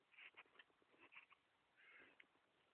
Protagonizada por Katherine Heigl y Josh Duhamel.